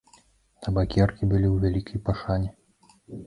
Табакеркі былі ў вялікай пашане.